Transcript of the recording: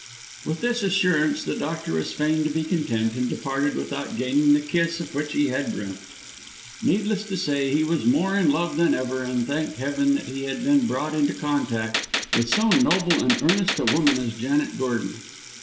With this assurance the doctor was fain to be content, and departed without gaining the kiss of which he had dreamt. Needless to say, he was more in love than ever, and thanked Heaven that he had been brought into contact with so noble and earnest a woman as Janet Gordon.